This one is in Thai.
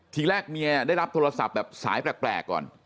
ทีแรกเมียได้รับโทรศัพท์แบบสายแปลกก่อน